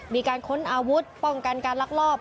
มีการค้นอาวุธป้องกันการรักรอบ